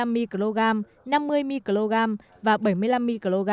hai mươi năm mg năm mươi mg và bảy mươi năm mg